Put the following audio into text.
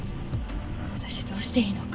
私どうしていいのか。